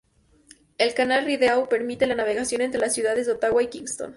El canal Rideau permite la navegación entre las ciudades de Ottawa y Kingston.